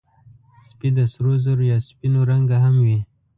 سپي د سرو زرو یا سپینو رنګه هم وي.